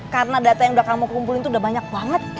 karena data yang udah kamu kumpulin tuh udah banyak banget